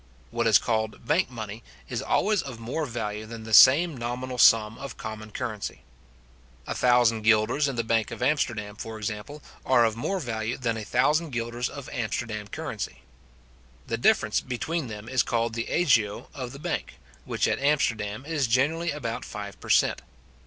What is called bank money, is always of more value than the same nominal sum of common currency. A thousand guilders in the bank of Amsterdam, for example, are of more value than a thousand guilders of Amsterdam currency. The difference between them is called the agio of the bank, which at Amsterdam is generally about five per cent.